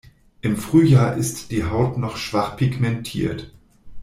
Im Frühjahr ist die Haut noch schwach pigmentiert.